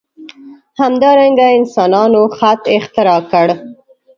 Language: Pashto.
همدارنګه انسانانو خط اختراع کړ.